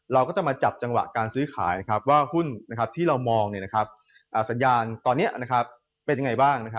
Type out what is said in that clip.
เราก็จะมาจับจังหวะการซื้อขายว่าหุ้นที่เรามองสัญญาณตอนนี้เป็นยังไงบ้าง